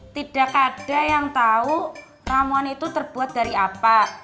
tidak ada yang tahu ramuan itu terbuat dari apa